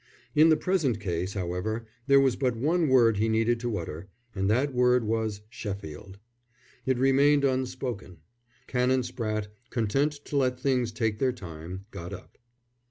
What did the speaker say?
In the present case, however, there was but one word he needed to utter, and that word was Sheffield. It remained unspoken. Canon Spratte, content to let things take their time, got up.